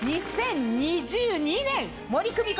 ２０２２年。